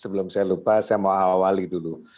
sebelum saya lupa saya mau awali dulu